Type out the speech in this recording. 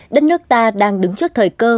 đất nước ta đang đứng trước thời cơ